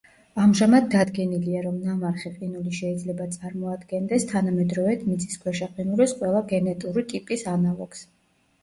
ამჟამად დადგენილია, რომ ნამარხი ყინული შეიძლება წარმოადგენდეს თანამედროვე მიწისქვეშა ყინულის ყველა გენეტური ტიპის ანალოგს.